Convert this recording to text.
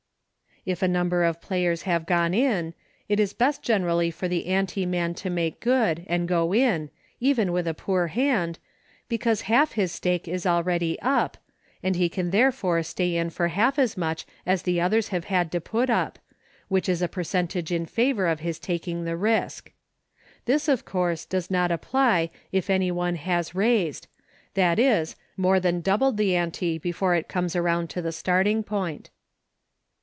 If a number of players have gone in, it is best generally for the ante man to make good, and go in, even with a poor hand, because half his stake is already up, and he can therefore stay in for half as much as the others have had to put up, which is a percentage in favor of his taking the risk. This, of course, does not apply if any one has " raised," that is, more than doubled the ante before it comes around to the starting point.